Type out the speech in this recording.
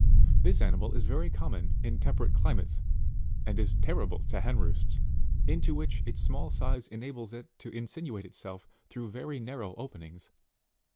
This animal is very common in temperate climates, and is terrible to hen roosts, into which its small size enables it to in sinuate itself through very narrow openings.